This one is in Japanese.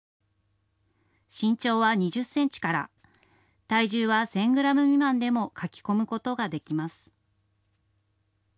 身長は２０センチから、体重は１０００グラム未満でも書き込むことができます。